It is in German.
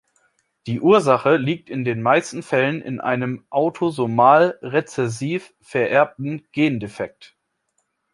Die Ursache liegt in den meisten Fällen in einem autosomal-rezessiv vererbten Gendefekt.